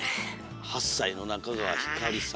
８さいの中川ひかりさん。